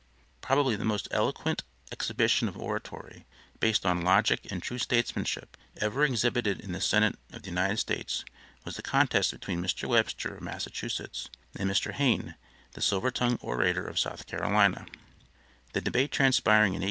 Probably the most eloquent exhibition of oratory, based on logic and true statesmanship, ever exhibited in the Senate of the United States was the contest between Mr. Webster, of Massachusetts, and Mr. Hayne, the silver tongued orator of South Carolina; the debate transpiring in 1830.